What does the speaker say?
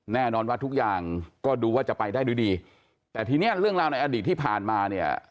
แน่นอนว่าทุกอย่างก็ดูว่าจะไปได้ด้วยดีแต่ทีนี้เรื่องราวในอดีตที่ผ่านมาเนี่ย